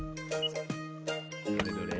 どれどれ？